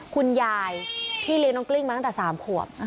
คุณยายที่เลี้ยงน้องกลิ้งมาตั้งแต่๓ขวบ